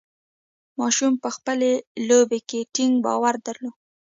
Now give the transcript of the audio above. ماشوم په خپلې لوبې کې ټینګ باور درلود.